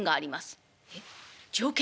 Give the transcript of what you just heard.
「えっ条件？